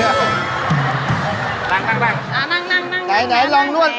นั่งนั่งนะจะลองลองนวด